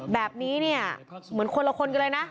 แบบนี้เนี่ยเหมือนคนละคนกันเลยนะ